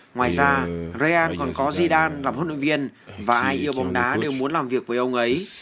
ngoài ra ryan còn có zidan làm huấn luyện viên và ai yêu bóng đá đều muốn làm việc với ông ấy